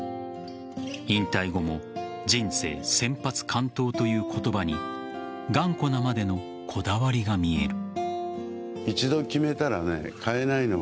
引退後も人生先発完投という言葉に頑固なまでのこだわりが見える。